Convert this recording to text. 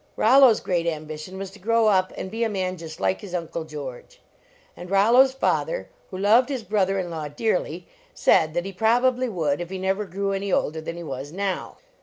Rollo s great ambition was to grow up and be a man just like his Uncle George. And Rol lo s father, who loved his brother in law dearly, said that he probably would, if he never grew any older than he was now.